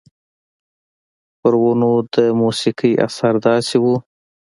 پۀ ونو د موسيقۍ اثر داسې وو